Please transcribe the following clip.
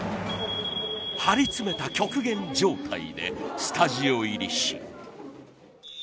張り詰めた極限状態でスタジオ入りし。